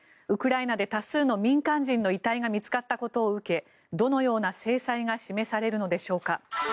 ウクライナで多数の民間人の遺体が見つかったことを受けどのような制裁が示されるのでしょうか。